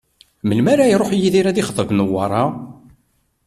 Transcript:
Melmi ara iruḥ Yidir ad d-ixḍeb Newwara?